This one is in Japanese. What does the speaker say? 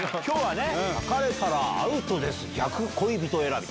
今日は。